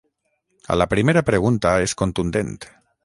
A la primera pregunta és contundent.